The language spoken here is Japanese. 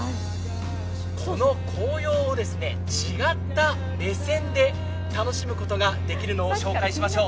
この紅葉を違った目線で楽しむことができるのを紹介しましょう。